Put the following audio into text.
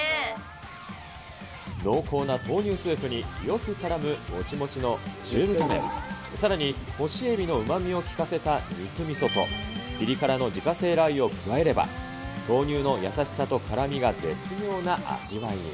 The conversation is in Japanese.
濃厚な豆乳スープに、よく絡むもちもちの中太麺、さらに干しエビのうまみを効かせた肉みそと、ピリ辛の自家製ラー油を加えれば、豆乳の優しさと辛みが絶妙な味わいに。